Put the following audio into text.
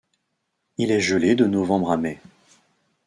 Il est gelé de novembre à mai.